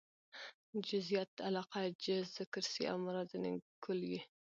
جزئيت علاقه؛ جز ذکر سي او مراد ځني کُل يي.